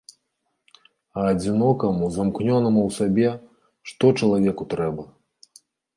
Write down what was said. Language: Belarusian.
А адзінокаму, замкнёнаму ў сабе, што чалавеку трэба?